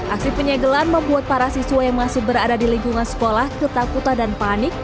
aksi penyegelan membuat para siswa yang masih berada di lingkungan sekolah ketakutan dan panik